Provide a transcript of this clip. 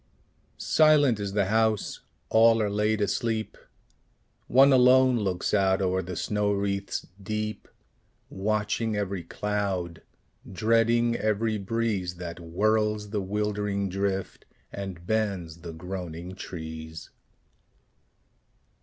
Silent is the house: all are laid asleep: One alone looks out o'er the snow wreaths deep, Watching every cloud, dreading every breeze That whirls the wildering drift, and bends the groaning trees.